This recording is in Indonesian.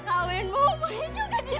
kawinmu maunya juga disiksa